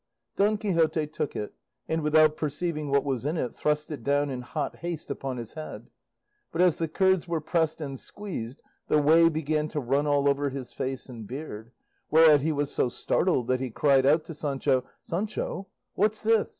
Don Quixote took it, and without perceiving what was in it thrust it down in hot haste upon his head; but as the curds were pressed and squeezed the whey began to run all over his face and beard, whereat he was so startled that he cried out to Sancho: "Sancho, what's this?